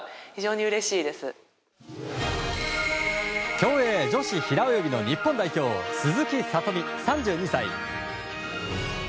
競泳女子平泳ぎの日本代表鈴木聡美、３２歳。